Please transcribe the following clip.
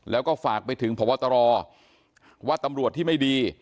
แล้วก็ฝากไปถึงพบตรว่าตำรวจที่ไม่ดี